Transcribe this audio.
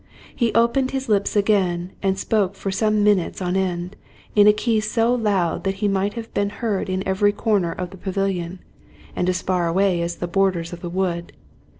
He opened his lips again, and spoke for some minutes on end, in a key so loud that he might have been heard in every corner of the pavilion, and as far away as the borders of the wood.